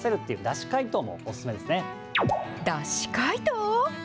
だし解凍？